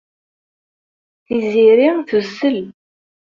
Tiziri tuzzel.